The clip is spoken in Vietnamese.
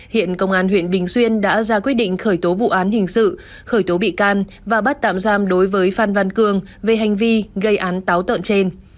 hiện công an huyện bình xuyên đã ra quyết định khởi tố vụ án hình sự khởi tố bị can và bắt tạm giam đối với phan văn cường về hành vi gây án táo tợn trên